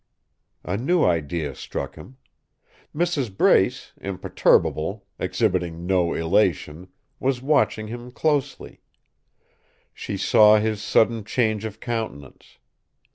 A new idea struck him. Mrs. Brace, imperturbable, exhibiting no elation, was watching him closely. She saw his sudden change of countenance.